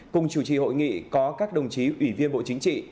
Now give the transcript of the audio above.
cùng chủ trì hội nghị có các đồng chí ủy viên bộ chính trị